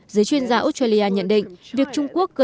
giới chuyên gia australia nhận định